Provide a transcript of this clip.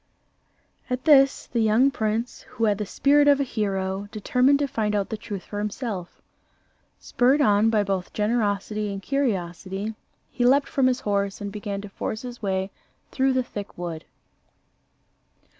At this, the young prince, who had the spirit of a hero, determined to find out the truth for himself. Spurred on by both generosity and curiosity, he leaped from his horse and began to force his way through the thick wood.